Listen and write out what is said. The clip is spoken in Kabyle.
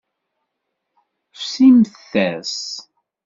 Fsimt-as.